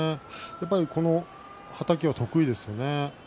やっぱり、このはたきが得意ですよね。